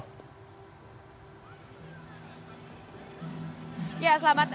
ya selamat siang